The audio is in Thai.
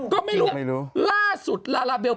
ก็ไม่รู้ล่าสุดลาลาเบล